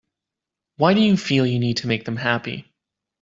Why do you feel you need to make them happy?